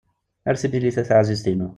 Ar timlilit a taεzizt-inu!